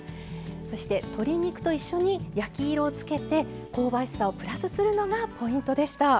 そして、鶏肉と一緒に焼き色をつけて香ばしさをプラスするのがポイントでした。